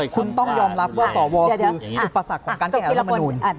คุณต้องยอมรับว่าสวคือประสักของการแก้ไหลธรรมนุน